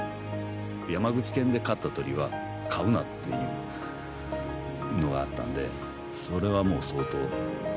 「山口県で飼った鶏は買うな」っていうのがあったのでそれはもう相当。